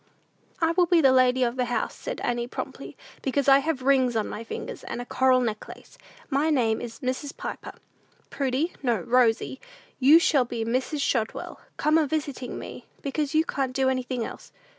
"I will be the lady of the house," said Annie, promptly, "because I have rings on my fingers, and a coral necklace. My name is Mrs. Piper. Prudy, no, Rosy, you shall be Mrs. Shotwell, come a visiting me; because you can't do anything else.